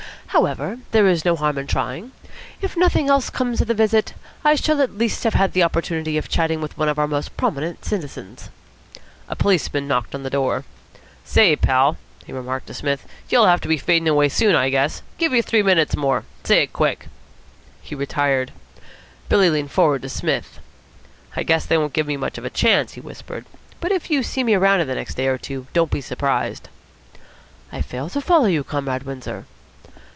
However, there is no harm in trying. If nothing else comes of the visit, I shall at least have had the opportunity of chatting with one of our most prominent citizens." A policeman appeared at the door. "Say, pal," he remarked to Psmith, "you'll have to be fading away soon, I guess. Give you three minutes more. Say it quick." He retired. Billy leaned forward to Psmith. "I guess they won't give me much chance," he whispered, "but if you see me around in the next day or two, don't be surprised." "I fail to follow you, Comrade Windsor."